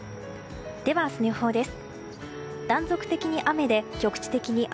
では、明日の予報です。